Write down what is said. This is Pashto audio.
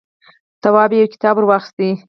تواب يو کتاب ور واخيست.